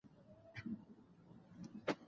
استاد بینوا د ټولنیزو بدلونونو پلوی و.